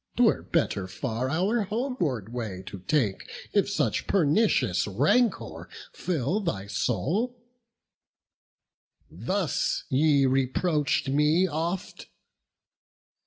'Twere better far our homeward way to take, If such pernicious rancour fill thy soul!' Thus ye reproach'd me oft!